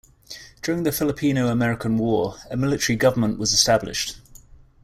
During the Filipino-American War, a military government was established.